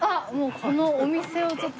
このお店をちょっと。